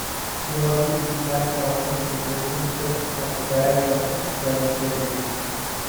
Geologically, Black Down is the western tip of the Bagshot gravel beds.